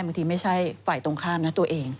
มันไม่ใช่ไฝ่ตรงข้ามนั้นตัวเอง